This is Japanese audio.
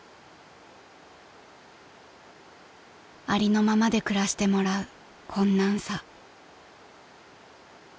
［ありのままで暮らしてもらう困難さ］